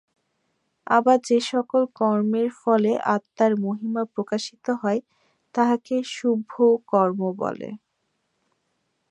আবার যে-সকল কর্মের ফলে আত্মার মহিমা প্রকাশিত হয়, তাহাকে শুভ কর্ম বলে।